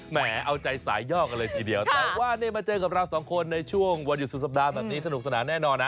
แหมเอาใจสายย่อกันเลยทีเดียวแต่ว่านี่มาเจอกับเราสองคนในช่วงวันหยุดสุดสัปดาห์แบบนี้สนุกสนานแน่นอนนะ